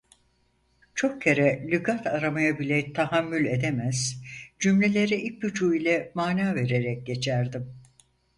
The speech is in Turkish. Çok kere lügat aramaya bile tahammül edemez, cümlelere ipucu ile mana vererek geçerdim.